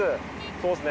そうですね。